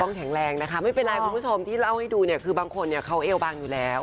แข็งแรงนะคะไม่เป็นไรคุณผู้ชมที่เล่าให้ดูเนี่ยคือบางคนเนี่ยเขาเอวบางอยู่แล้ว